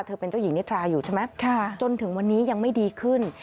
เป็นเจ้าหญิงนิทราอยู่ใช่ไหมจนถึงวันนี้ยังไม่ดีขึ้น